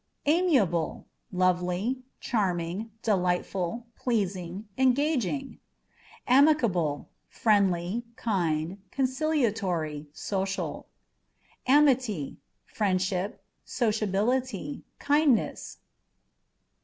Amiable â€" lovely, charming, delightful, pleasing, engaging. Amicable â€" friendly, kind, conciliatory, social. Amity â€" friendship, sociability, kindness.